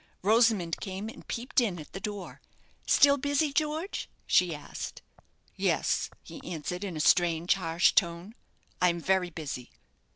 Rosamond came and peeped in at the door. "Still busy, George?" she asked. "Yes," he answered, in a strange, harsh tone, "I am very busy."